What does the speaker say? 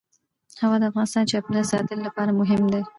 هوا د افغانستان د چاپیریال ساتنې لپاره مهم دي.